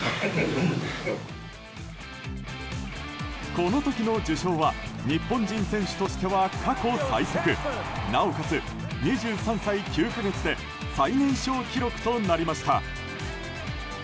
この時の受賞は日本人選手としては過去最速なおかつ２３歳９か月で最年少記録となりました。